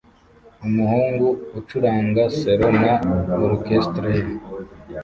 Umuhungu ucuranga selo na orchestre ye